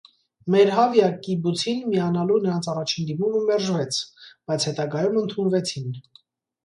Մերհավիա կիբուցին միանալու նրանց առաջին դիմումը մերժվեց, բայց հետագայում ընդունվեցին։